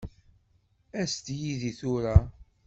As-d yid-i tura.